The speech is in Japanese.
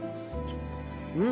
うん！